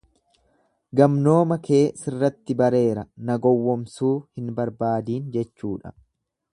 Gamnooma kee sirratti bareera na gowwoomsuu hin barbaadiin jechuudha.